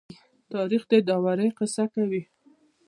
تاریخ د دلاورۍ قصه کوي.